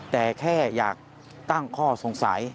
แต่แค่อยากตั้งข้อสงสัย